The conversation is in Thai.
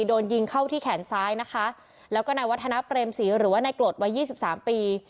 โดนยิงเข้าที่แขนซ้ายนะคะแล้วก็นายวัฒนาเปรมศรีหรือว่านายกรดวัยยี่สิบสามปี